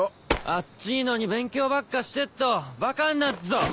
暑っちぃのに勉強ばっかしてっとバカになっぞ！